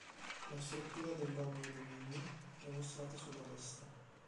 La struttura dell'omeodominio è mostrata sulla destra.